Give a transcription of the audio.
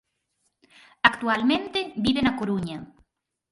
Actualmente vive na Coruña.